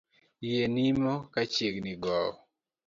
Yie nimo ka chiegni gowo